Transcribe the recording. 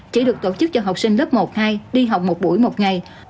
chỉ được tổ chức cho học sinh lớp một hai đi học một buổi một ngày